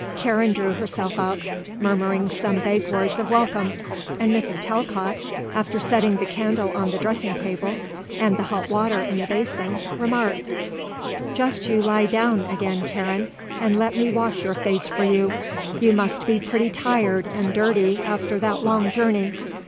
Karen drew herself up, murmuring some vague words of welcome, and Mrs. Talcott, after setting the candle on the dressing table and the hot water in the basin, remarked: "Just you lie down again, Karen, and let me wash your face for you. You must be pretty tired and dirty after that long journey."